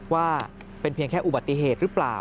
ว่าเป็นเพียงแค่อุบัติเหตุหรือเปล่า